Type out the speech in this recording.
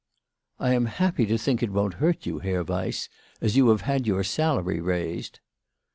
"I am happy to think it won't hurt you, Herr Weiss, as you have had your salary raised."